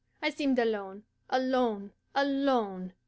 I seemed alone alone alone.